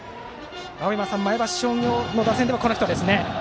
青山さん、前橋商業の打線ではこの人ですね。